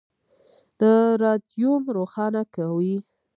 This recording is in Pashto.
د رادیوم روښانه کوي.